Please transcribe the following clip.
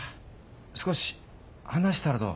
少し話したらどう？